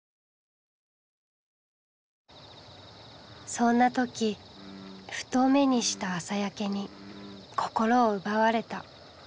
そんな時ふと目にした朝焼に心を奪われた。